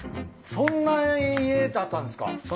そんな家だったんです。